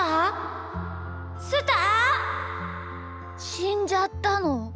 しんじゃったの？